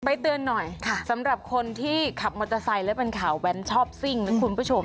เตือนหน่อยสำหรับคนที่ขับมอเตอร์ไซค์และเป็นข่าวแว้นชอบซิ่งนะคุณผู้ชม